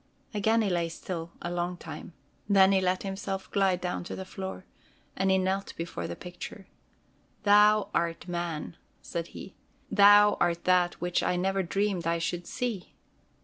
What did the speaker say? Again he lay still a long time; then he let himself glide down to the floor—and he knelt before the picture: "Thou art Man!" said he. "Thou art that which I never dreamed I should see."